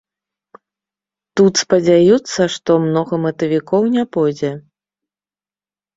Тут спадзяюцца, што многа мэтавікоў не пойдзе.